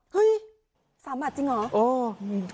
เฮ้ย๓บาทจริงเหรอ